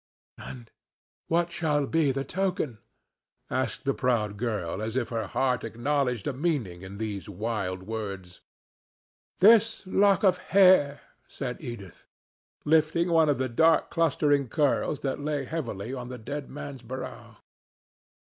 "And what shall be the token?" asked the proud girl, as if her heart acknowledged a meaning in these wild words. "This lock of hair," said Edith, lifting one of the dark clustering curls that lay heavily on the dead man's brow.